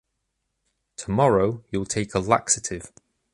Tomorrow, you’ll take a laxative.